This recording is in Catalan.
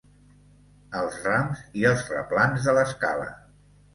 Els rams i els replans de l'escala.